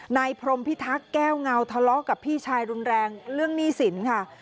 นายพรมพิทักษ์แก้วเงาทะเลาะกับพี่ชายรุนแรงเรื่องหนี้สินค่ะ